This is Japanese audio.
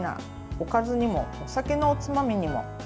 おかずにもお酒のおつまみにも。